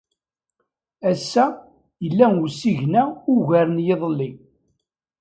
Ass-a yella usigna ugar n yiḍelli.